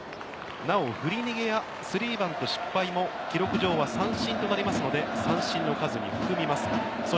なお、振り逃げやスリーバント失敗も記録上は三振となりますので、三振の数に含みます。